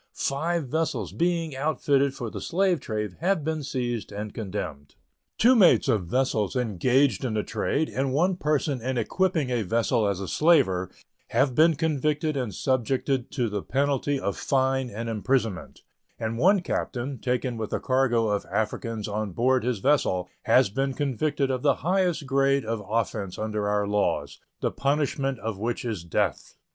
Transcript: Five vessels being fitted out for the slave trade have been seized and condemned. Two mates of vessels engaged in the trade and one person in equipping a vessel as a slaver have been convicted and subjected to the penalty of fine and imprisonment, and one captain, taken with a cargo of Africans on board his vessel, has been convicted of the highest grade of offense under our laws, the punishment of which is death.